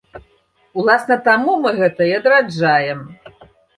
Уласна таму мы гэта і адраджаем.